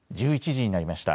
１１時になりました。